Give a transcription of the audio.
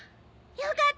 よかった！